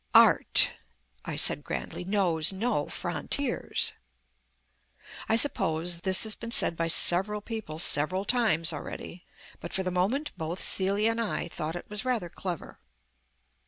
"Art," I said grandly, "knows no frontiers." I suppose this has been said by several people several times already, but for the moment both Celia and I thought it was rather clever.